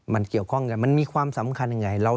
มันเกี่ยวข้องกันมันมีความสำคัญยังไง